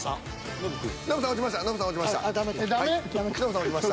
ノブさん落ちました。